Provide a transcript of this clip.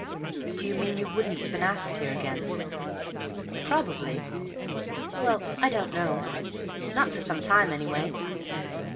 "Do you mean you wouldn't have been asked here again?" "Probably. Well, I don't know. Not for some time, anyway."